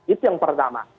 itu yang pertama